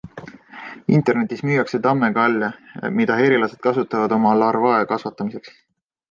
Internetis müüakse tamme galle, mida herilased kasutavad oma larvae kasvatamiseks.